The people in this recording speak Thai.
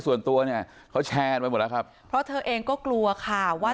ส่วนตัวเนี่ยเขาแชร์กันไปหมดแล้วครับเพราะเธอเองก็กลัวค่ะว่า